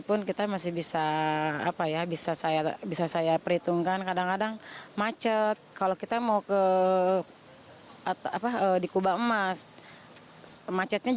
ternyata kalau ikut transportasi pun kita masih bisa beruntung kadang kadang macet kalau kita mau di kubah emas macetnya